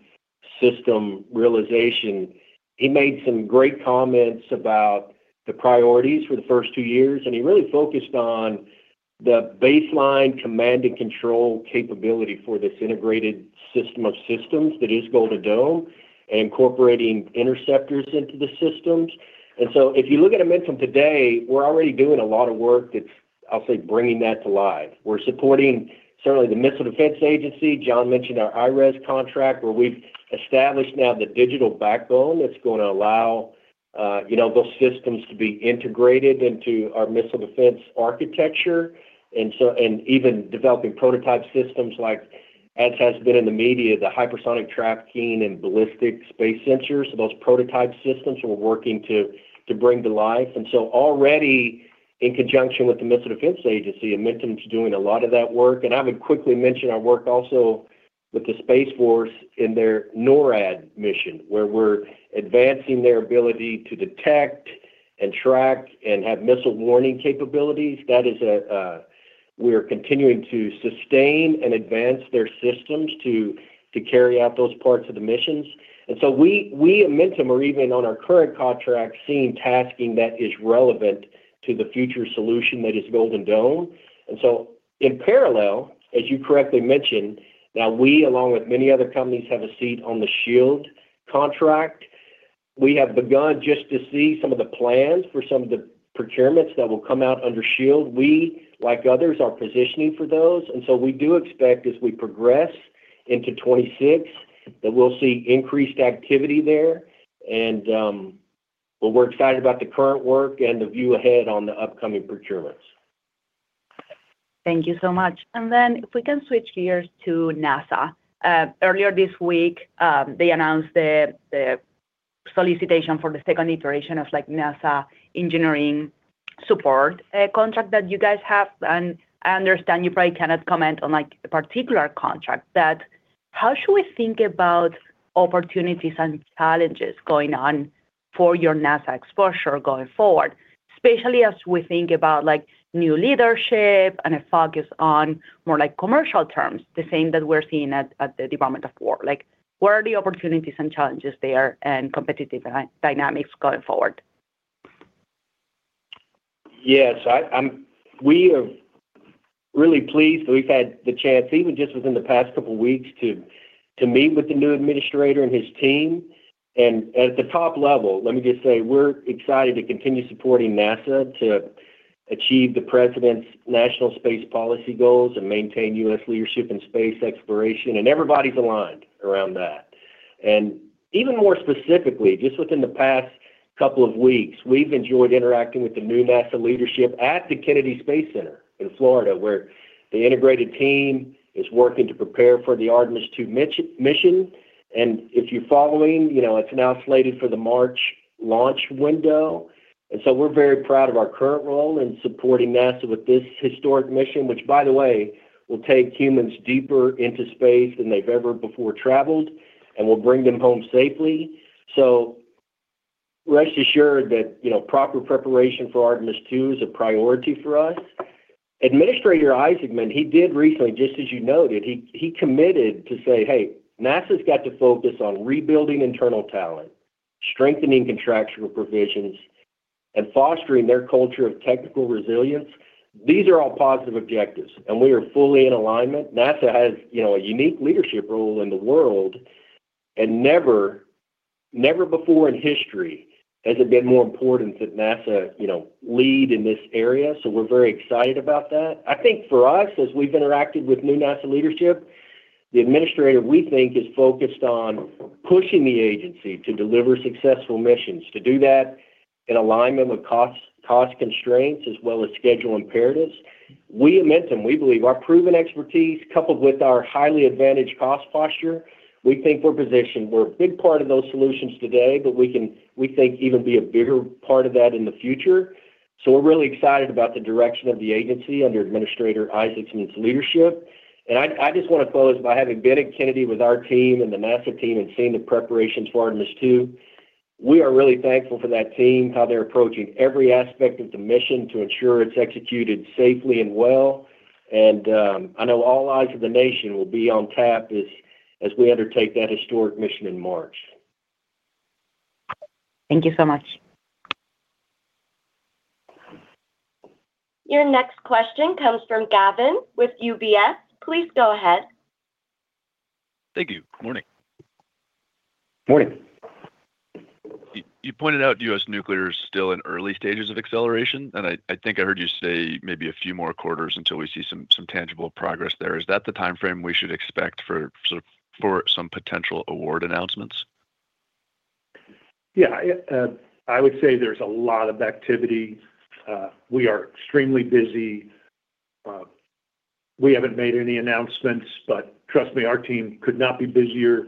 system realization, he made some great comments about the priorities for the first two years. He really focused on the baseline command and control capability for this integrated system of systems that is Golden Dome and incorporating interceptors into the systems. So if you look at Amentum today, we're already doing a lot of work that's, I'll say, bringing that to life. We're supporting, certainly, the Missile Defense Agency. John mentioned our IRES contract where we've established now the digital backbone that's going to allow those systems to be integrated into our missile defense architecture and even developing prototype systems like, as has been in the media, the Hypersonic Tracking and Ballistic Space Sensors. So those prototype systems we're working to bring to life. And so already, in conjunction with the Missile Defense Agency, Amentum's doing a lot of that work. And I would quickly mention our work also with the Space Force in their NORAD mission where we're advancing their ability to detect and track and have missile warning capabilities. We are continuing to sustain and advance their systems to carry out those parts of the missions. And so we, Amentum, are even on our current contract seeing tasking that is relevant to the future solution that is Golden Dome. And so in parallel, as you correctly mentioned, now we, along with many other companies, have a seat on the SHIELD contract. We have begun just to see some of the plans for some of the procurements that will come out under SHIELD. We, like others, are positioning for those. And so we do expect, as we progress into 2026, that we'll see increased activity there. But we're excited about the current work and the view ahead on the upcoming procurements. Thank you so much. Then if we can switch gears to NASA. Earlier this week, they announced the solicitation for the second iteration of NASA engineering support contract that you guys have. And I understand you probably cannot comment on a particular contract, but how should we think about opportunities and challenges going on for your NASA exposure going forward, especially as we think about new leadership and a focus on more commercial terms, the same that we're seeing at the Department of Defense? Where are the opportunities and challenges there and competitive dynamics going forward? Yes. We are really pleased that we've had the chance, even just within the past couple of weeks, to meet with the new administrator and his team. And at the top level, let me just say, we're excited to continue supporting NASA to achieve the president's national space policy goals and maintain U.S. leadership in space exploration. And everybody's aligned around that. And even more specifically, just within the past couple of weeks, we've enjoyed interacting with the new NASA leadership at the Kennedy Space Center in Florida where the integrated team is working to prepare for the Artemis II mission. And if you're following, it's now slated for the March launch window. And so we're very proud of our current role in supporting NASA with this historic mission, which, by the way, will take humans deeper into space than they've ever before traveled and will bring them home safely. So rest assured that proper preparation for Artemis II is a priority for us. Administrator Nelson, he did recently, just as you noted, he committed to say, "Hey, NASA's got to focus on rebuilding internal talent, strengthening contractual provisions, and fostering their culture of technical resilience." These are all positive objectives, and we are fully in alignment. NASA has a unique leadership role in the world. And never before in history has it been more important that NASA lead in this area. So we're very excited about that. I think for us, as we've interacted with new NASA leadership, the administrator, we think, is focused on pushing the agency to deliver successful missions, to do that in alignment with cost constraints as well as schedule imperatives. We, Amentum, we believe our proven expertise, coupled with our highly advantaged cost posture, we think we're positioned. We're a big part of those solutions today, but we think we'll even be a bigger part of that in the future. So we're really excited about the direction of the agency under Administrator Nelson's leadership. I just want to close by having been at Kennedy with our team and the NASA team and seeing the preparations for Artemis II. We are really thankful for that team, how they're approaching every aspect of the mission to ensure it's executed safely and well. I know all eyes of the nation will be on that as we undertake that historic mission in March. Thank you so much. Your next question comes from Gavin with UBS. Please go ahead. Thank you. Good morning. Morning. You pointed out U.S. nuclear is still in early stages of acceleration. I think I heard you say maybe a few more quarters until we see some tangible progress there. Is that the timeframe we should expect for some potential award announcements? Yeah. I would say there's a lot of activity. We are extremely busy. We haven't made any announcements, but trust me, our team could not be busier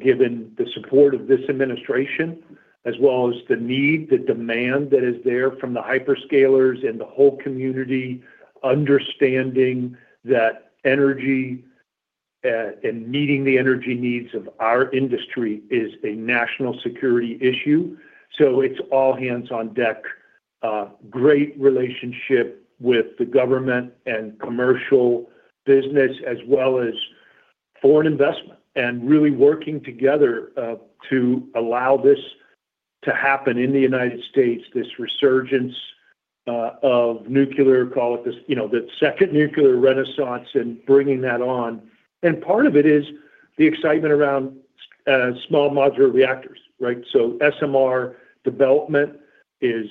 given the support of this administration as well as the need, the demand that is there from the hyperscalers and the whole community understanding that energy and meeting the energy needs of our industry is a national security issue. So it's all hands on deck, great relationship with the government and commercial business as well as foreign investment, and really working together to allow this to happen in the United States, this resurgence of nuclear, call it the second nuclear renaissance, and bringing that on. And part of it is the excitement around Small Modular Reactors, right? So SMR development is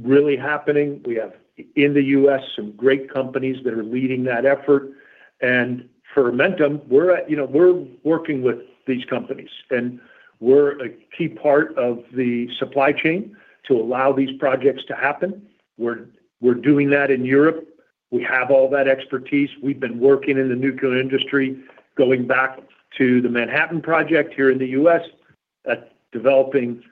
really happening. We have, in the U.S., some great companies that are leading that effort. For Amentum, we're working with these companies, and we're a key part of the supply chain to allow these projects to happen. We're doing that in Europe. We have all that expertise. We've been working in the nuclear industry, going back to the Manhattan Project here in the U.S., developing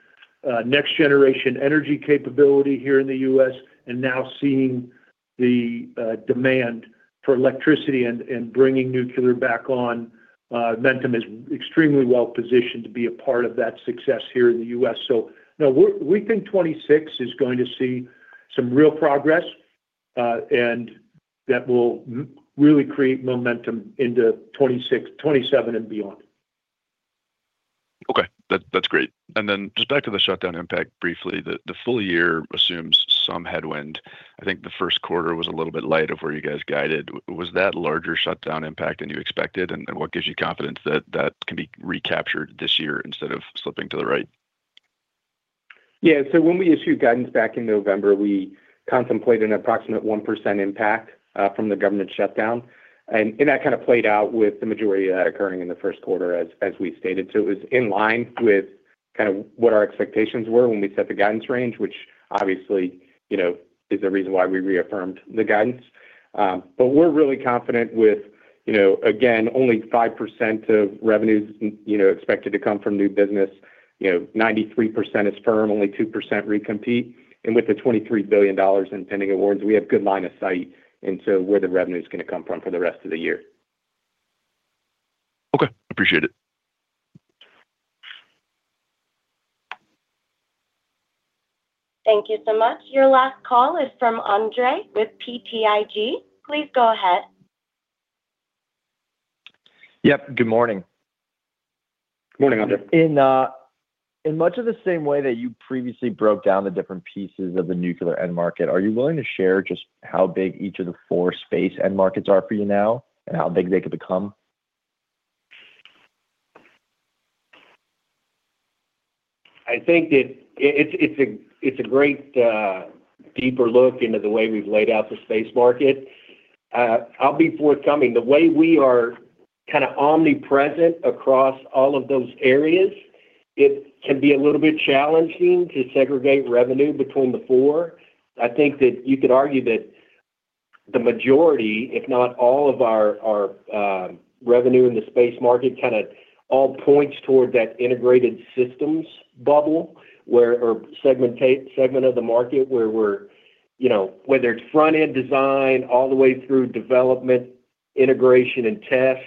next-generation energy capability here in the U.S., and now seeing the demand for electricity and bringing nuclear back on. Amentum is extremely well positioned to be a part of that success here in the U.S. So no, we think 2026 is going to see some real progress, and that will really create momentum into 2027 and beyond. Okay. That's great. And then just back to the shutdown impact briefly, the full year assumes some headwind. I think the first quarter was a little bit light of where you guys guided. Was that larger shutdown impact than you expected? And what gives you confidence that that can be recaptured this year instead of slipping to the right? Yeah. So when we issued guidance back in November, we contemplated an approximate 1% impact from the government shutdown. That kind of played out with the majority of that occurring in the first quarter, as we stated. It was in line with kind of what our expectations were when we set the guidance range, which obviously is the reason why we reaffirmed the guidance. We're really confident with, again, only 5% of revenues expected to come from new business, 93% is firm, only 2% recompete. With the $23 billion in pending awards, we have good line of sight into where the revenue is going to come from for the rest of the year. Okay. Appreciate it. Thank you so much. Your last call is from Andrew Harte with BTIG. Please go ahead. Yep. Good morning. Good morning, Andrew. In much of the same way that you previously broke down the different pieces of the nuclear end market, are you willing to share just how big each of the four space end markets are for you now and how big they could become? I think that it's a great deeper look into the way we've laid out the space market. I'll be forthcoming. The way we are kind of omnipresent across all of those areas, it can be a little bit challenging to segregate revenue between the four. I think that you could argue that the majority, if not all, of our revenue in the space market kind of all points toward that integrated systems bubble or segment of the market where we're whether it's front-end design all the way through development, integration, and test,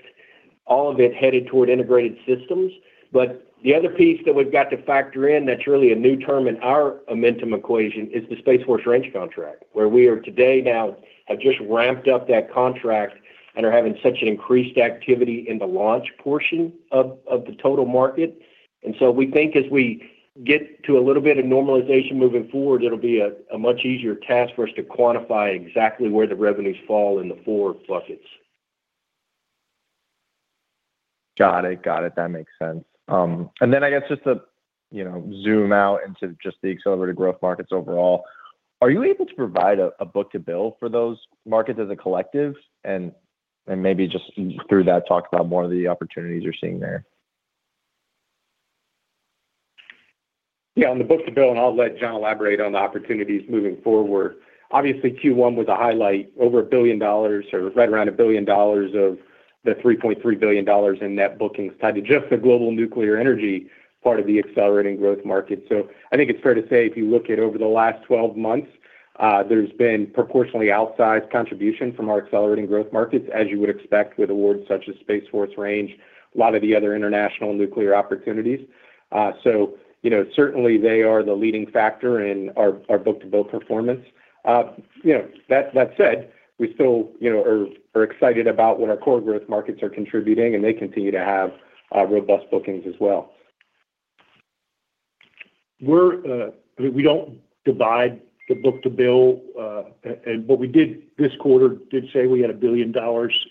all of it headed toward integrated systems. But the other piece that we've got to factor in that's really a new term in our Amentum equation is the Space Force Range contract, where we today now have just ramped up that contract and are having such an increased activity in the launch portion of the total market. And so we think as we get to a little bit of normalization moving forward, it'll be a much easier task for us to quantify exactly where the revenues fall in the four buckets. Got it. Got it. That makes sense. And then I guess just to zoom out into just the accelerated growth markets overall, are you able to provide a book-to-bill for those markets as a collective? And maybe just through that, talk about more of the opportunities you're seeing there. Yeah. On the book-to-bill, and I'll let John Heller elaborate on the opportunities moving forward. Obviously, Q1 was a highlight, over $1 billion or right around $1 billion of the $3.3 billion in net bookings tied to just the global nuclear energy part of the accelerating growth market. So I think it's fair to say if you look at over the last 12 months, there's been proportionally outsized contribution from our accelerating growth markets, as you would expect with awards such as Space Force Range, a lot of the other international nuclear opportunities. So certainly, they are the leading factor in our book-to-bill performance. That said, we still are excited about what our core growth markets are contributing, and they continue to have robust bookings as well. I mean, we don't divide the book-to-bill. And what we did this quarter did say we had $1 billion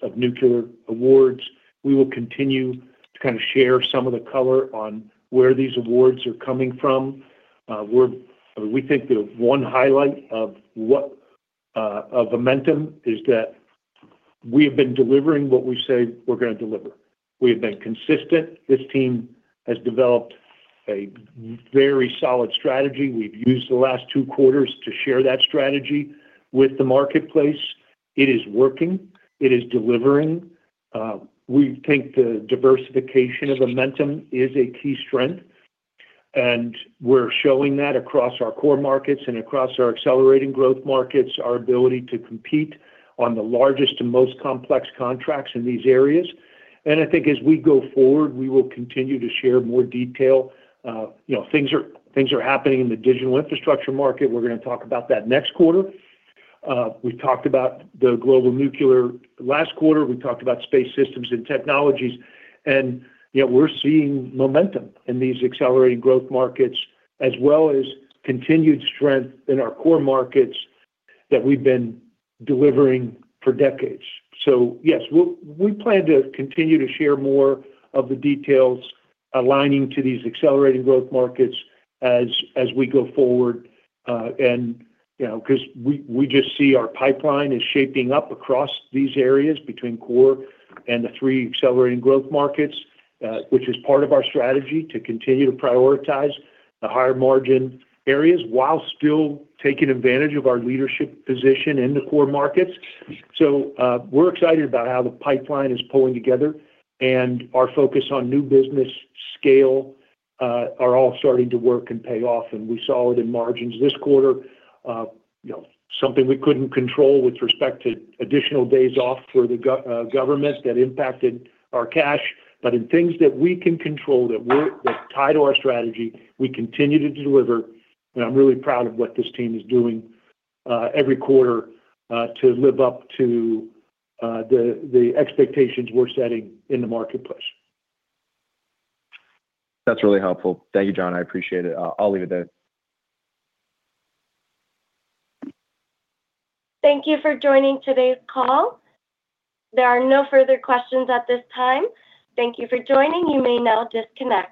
of nuclear awards. We will continue to kind of share some of the color on where these awards are coming from. I mean, we think that one highlight of Amentum is that we have been delivering what we say we're going to deliver. We have been consistent. This team has developed a very solid strategy. We've used the last two quarters to share that strategy with the marketplace. It is working. It is delivering. We think the diversification of Amentum is a key strength. And we're showing that across our core markets and across our accelerating growth markets, our ability to compete on the largest and most complex contracts in these areas. And I think as we go forward, we will continue to share more detail. Things are happening in the digital infrastructure market. We're going to talk about that next quarter. We've talked about the global nuclear last quarter. We talked about space systems and technologies. We're seeing momentum in these accelerating growth markets as well as continued strength in our core markets that we've been delivering for decades. So yes, we plan to continue to share more of the details aligning to these accelerating growth markets as we go forward because we just see our pipeline is shaping up across these areas between core and the three accelerating growth markets, which is part of our strategy to continue to prioritize the higher-margin areas while still taking advantage of our leadership position in the core markets. So we're excited about how the pipeline is pulling together. Our focus on new business scale are all starting to work and pay off. And we saw it in margins this quarter, something we couldn't control with respect to additional days off for the government that impacted our cash. But in things that we can control that tie to our strategy, we continue to deliver. And I'm really proud of what this team is doing every quarter to live up to the expectations we're setting in the marketplace. That's really helpful. Thank you, John. I appreciate it. I'll leave it there. Thank you for joining today's call. There are no further questions at this time. Thank you for joining. You may now disconnect.